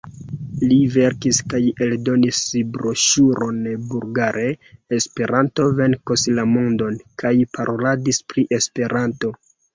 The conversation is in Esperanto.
Li verkis kaj eldonis broŝuron bulgare: "Esperanto venkos la mondon" kaj paroladis pri Esperanto.